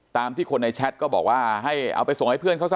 ตามที่คนในแชทก็บอกว่าให้เอาไปส่งให้เพื่อนเขาซะ